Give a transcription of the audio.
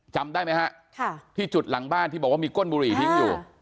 จำได้ไหมฮะที่จุดหลังบ้านที่บอกว่ามีก้นบุหรี่ทิ้งอยู่